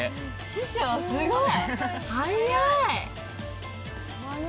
師匠すごい！